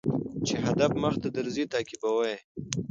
چي هدف مخته درځي تعقيبوه يې